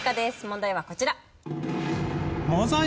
問題はこちら。